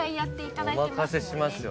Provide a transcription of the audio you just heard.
お任せしますよ。